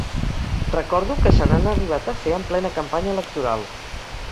Recordo que se n’han arribat a fer en plena campanya electoral.